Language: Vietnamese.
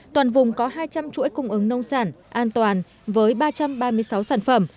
toàn vùng có hai trăm linh chuỗi cung ứng nông sản an toàn với ba trăm ba mươi sáu sản phẩm